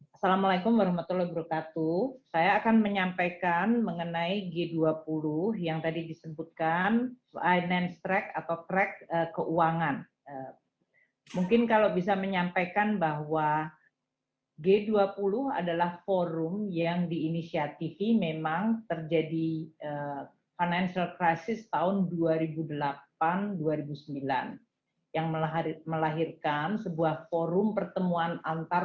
assalamu'alaikum warahmatullahi wabarakatuh